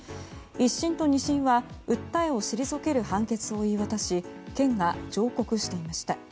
１審と２審は訴えを退ける判決を言い渡し県が上告していました。